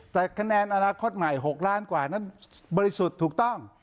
แต่คะแนนอนาคตใหม่๖ล้านกว่านั้นบริสุทธิ์ถูกต้อง